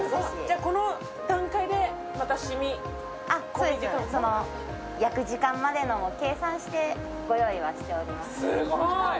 この段階で、また染みこみ焼く時間までを計算してご用意はしています。